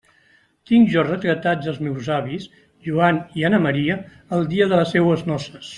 Tinc jo retratats els meus avis Joan i Anna Maria, el dia de les seues noces.